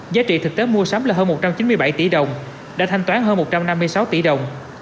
giá trị thực tế mua sắm là hơn một trăm chín mươi bảy tỷ đồng đã thanh toán hơn một trăm năm mươi sáu tỷ đồng